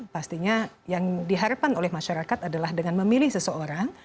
pastinya yang diharapkan oleh masyarakat adalah dengan memilih seseorang